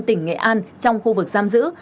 tỉnh nghệ an trong khu vực giam giữ